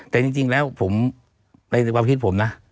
แต่จริงแล้วผมในความคิดผมนะ